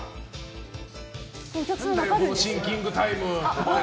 何だよ、シンキングタイム。